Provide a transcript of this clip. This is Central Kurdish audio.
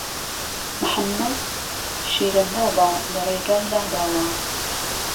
محەممەد شیرن لاوه له رێگایەی لا داوه